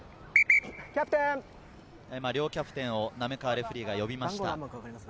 両キャプテンを滑川レフェリーが呼びました。